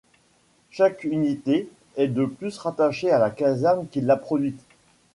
Chaque unité est de plus rattachée à la caserne qu’il l’a produite.